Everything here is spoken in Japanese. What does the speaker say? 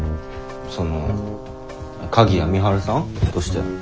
その鍵谷美晴さん？としての。